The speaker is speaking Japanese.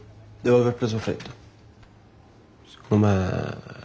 分かった？